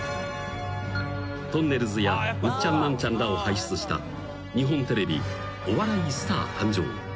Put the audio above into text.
［とんねるずやウッチャンナンチャンらを輩出した日本テレビ『お笑いスター誕生！！』］